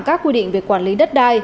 các quy định về quản lý đất đai